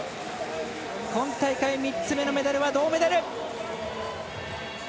今大会３つ目のメダルは銅メダル。